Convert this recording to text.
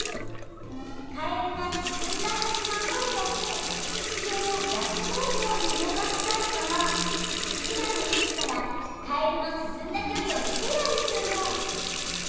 カエルが進んだはずの距離だけ地形を逆方向に動かしたいから今の位置からカエルの進んだ距離を引けばいいのよ。